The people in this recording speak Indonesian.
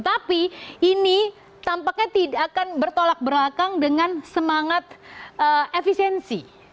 tapi ini tampaknya tidak akan bertolak belakang dengan semangat efisiensi